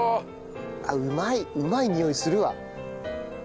あっうまいうまいにおいするわ。